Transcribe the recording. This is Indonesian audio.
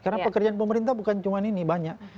karena pekerjaan pemerintah bukan cuma ini banyak